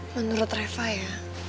menurut reva ya